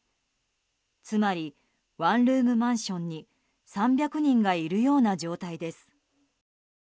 つまりワンルームマンションに３００人がいるような状態です。